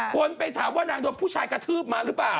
คนไปถามว่านางโดนผู้ชายกระทืบมาหรือเปล่า